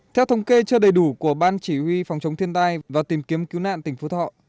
theo thống kê chưa đầy đủ của ban chỉ huy phòng chống thiên tai và tìm kiếm cứu nạn tỉnh phú thọ